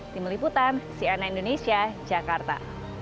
dimeliputan cna indonesia jakarta